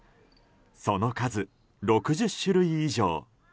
その数、６０種類以上。